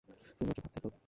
শুধুমাত্র ভাবতেই পারবো।